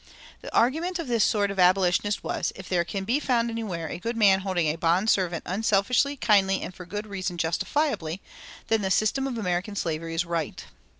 The argument of this sort of abolitionist was: If there can be found anywhere a good man holding a bond servant unselfishly, kindly, and for good reason justifiably, then the system of American slavery is right.